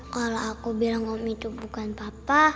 kalau aku bilang om itu bukan papa